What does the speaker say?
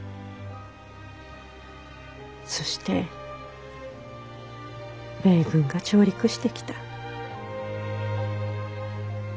そして米軍が上陸してきた。